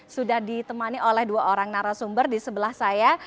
sudah ditemani oleh dua orang narasumber di sebelah saya